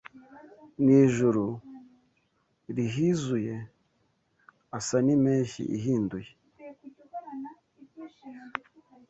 Ni ijuru rihizuye Asa n’impeshyi ihinduye